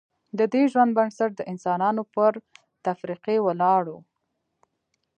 ددې ژوند بنسټ د انسانانو پر تفرقې ولاړ و